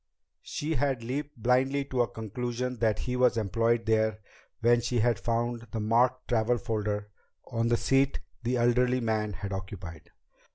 She had leaped blindly to a conclusion that he was employed there when she had found the marked travel folder on the seat the elderly man had occupied.